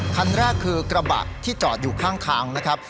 คันแรกคือกระบะที่จอดอยู่ข้างทางนะครับ